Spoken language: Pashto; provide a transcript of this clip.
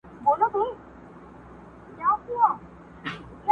تر مابین مو دي په وېش کي عدالت وي!